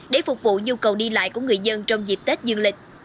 để phục vụ nhu cầu đi lại của người dân trong dịp tết dương lịch